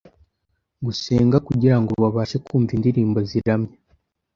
Gusenga kugirango babashe kumva indirimbo ziramya